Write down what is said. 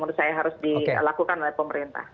menurut saya harus dilakukan oleh pemerintah